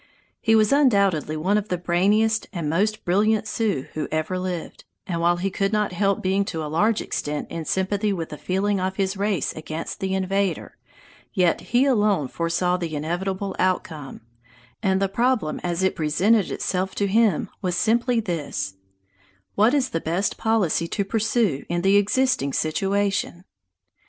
He was undoubtedly one of the brainiest and most brilliant Sioux who ever lived; and while he could not help being to a large extent in sympathy with the feeling of his race against the invader, yet he alone foresaw the inevitable outcome, and the problem as it presented itself to him was simply this: "What is the best policy to pursue in the existing situation?"